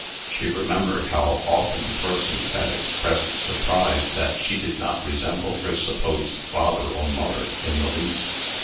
She remembered how often persons had expressed surprise that she did not resemble her supposed father or mother in the least.